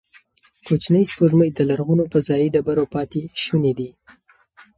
کوچنۍ سپوږمۍ د لرغونو فضايي ډبرو پاتې شوني دي.